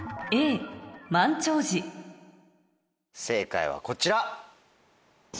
正解はこちら。